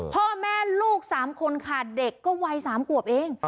พ่อแม่ลูก๓คนค่ะเด็กก็วัย๓ขวบเอง